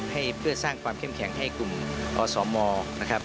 ให้เพื่อสร้างความเข้มแข็งให้กลุ่มอสมนะครับ